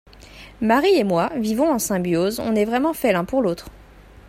Marie et moi vivons en symbiose, on est vraiment faits l’un pour l’autre.